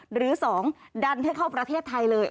หรือ๒ดันให้เข้าประเทศไทยเลย